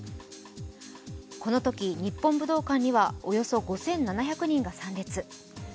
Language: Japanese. このとき日本武道館にはおよそ５７００人が参列。